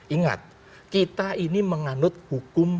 ingat kita ini menganut hukum